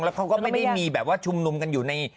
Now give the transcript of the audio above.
แล้วเขาก็ไม่ได้มีแบบว่าชุมนุมกันอยู่ใน